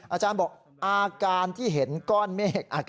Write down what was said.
อาจารย์บอกอาการที่เห็นก้อนเมฆ